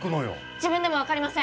自分でも分かりません！